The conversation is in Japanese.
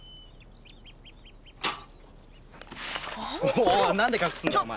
おいおい何で隠すんだよお前。